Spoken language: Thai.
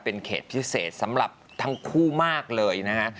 เป็นเขตพิเศษสำหรับทั้งคู่มากเลยนะฮะ